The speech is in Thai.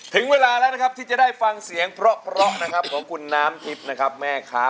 ถึงเวลาละที่จะได้ฟังเสียงเพราะของคุณน้ำทิพย์แม่ครับ